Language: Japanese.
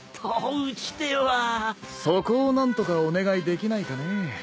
そこを何とかお願いできないかね。